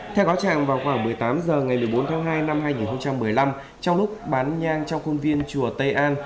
theo cáo trạng vào khoảng một mươi tám h ngày một mươi bốn tháng hai năm hai nghìn một mươi năm trong lúc bán nhang trong khuôn viên chùa tây an